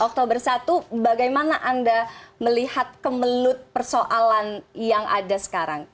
oktober satu bagaimana anda melihat kemelut persoalan yang ada sekarang